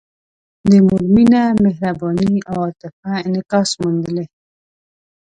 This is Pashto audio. د مور مینه، مهرباني او عاطفه انعکاس موندلی.